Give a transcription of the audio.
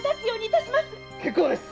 結構です！